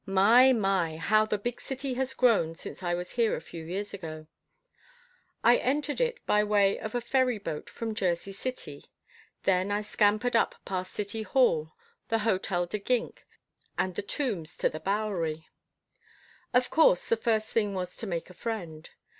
My! My! how the big city has grown since I was here a few years ago. I entered it by way of a ferry boat from Jersey City. Then I scampered up past City Hall, the Hotel de Gink, and the Tombs to the Bowery. Of course, the first thing was to make a friend.